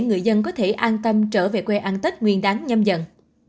người dân có thể an tâm trở về quê ăn tết nguyên đáng nhâm dần